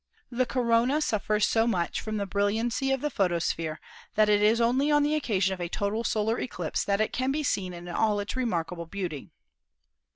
The corona suffers so much from the brilliancy of the photosphere that it is only on the occasion of a total solar eclipse that it can be seen in all its remarkable beauty.